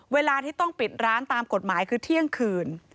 เวลาที่ต้องปิดร้านตามกฎหมายคือเที่ยงคืน